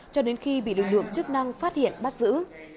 cho đến khi bị lực lượng chức năng phát hiện bắt giữ